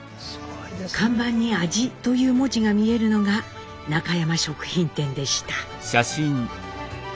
看板に「味」という文字が見えるのが中山食品店でした。